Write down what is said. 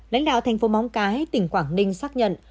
lãnh đạo thành phố móng cái tỉnh quảng ninh xác nhận